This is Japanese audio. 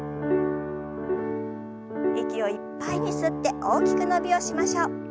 息をいっぱいに吸って大きく伸びをしましょう。